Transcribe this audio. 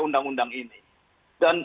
undang undang ini dan